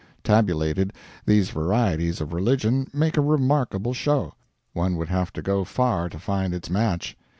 Tabulated, these varieties of religion make a remarkable show. One would have to go far to find its match.